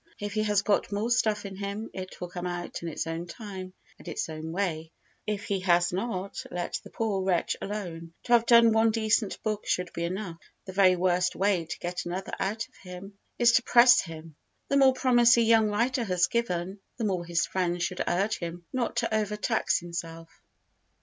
If he has got more stuff in him it will come out in its own time and its own way: if he has not—let the poor wretch alone; to have done one decent book should be enough; the very worst way to get another out of him is to press him. The more promise a young writer has given, the more his friends should urge him not to over tax himself.